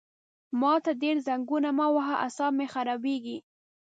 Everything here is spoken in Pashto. ما ته ډېر زنګونه مه وهه عصاب مې خرابېږي!